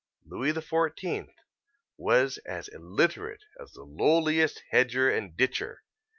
Louis XIV. was as illiterate as the lowliest hedger and ditcher.